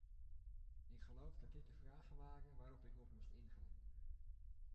Ik geloof dat dit de vragen waren waarop ik nog moest ingaan.